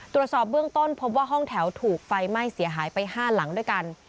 ตรวจสอบเบื้องต้นพบว่าห้องแถวถูกไฟไหม้เสียหายไป๕หลังด้วยกัน